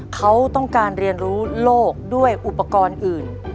เขาต้องการเรียนรู้โลกด้วยอุปกรณ์อื่น